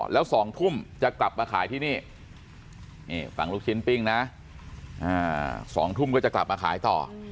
แล้ว๒ทุ่มจะกลับมาขายที่นี่ฝั่งลูกชิ้นปิ้งนะ๒ทุ่มก็จะกลับมาขายต่อ